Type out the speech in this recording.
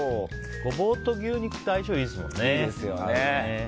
ゴボウと牛肉って相性いいですもんね。